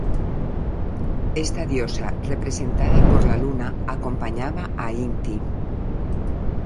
Esta diosa, representada por la Luna, acompañaba a Inti.